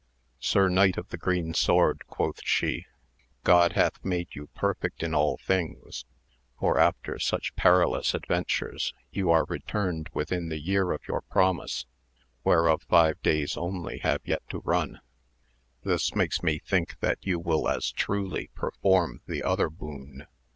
Sir Knight of the Green Sword, quoth she, God hath made you perfect in all things, for after such perilous adventures you are returned within the year of your promise, whereof five days only have yet to run ; this makes me think that AMADIS Of o^jji AMADIS OF OAUl. 303 you will as truly perform the other boon.